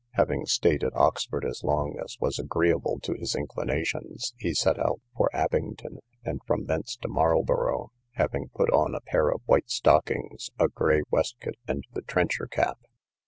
—Having staid at Oxford as long as was agreeable to his inclinations, he set out for Abington, and from thence to Marlborough, having put on a pair of white stockings, a grey waistcoat, and the trencher cap.